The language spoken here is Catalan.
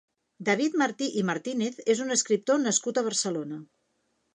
David Martí i Martínez és un escriptor nascut a Barcelona.